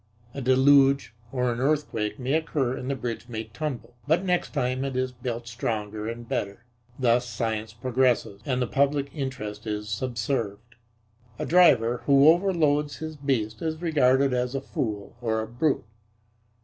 A deluge or an earthquake may occur and the bridge may tumble, but next time it is built stronger and better. Thus science progresses and the public interest is subserved. A driver who overloads his beast is regarded as a fool or a brute.